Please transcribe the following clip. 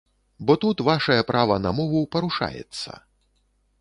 Бо тут вашае права на мову парушаецца.